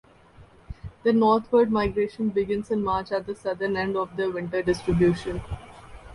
The northward migration begins in March at the southern end of their winter distribution.